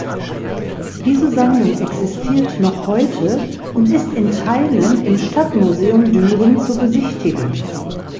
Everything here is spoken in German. Diese Sammlung existiert noch heute und ist in Teilen im Stadtmuseum Düren zu besichtigen.